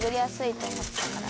と思ったから。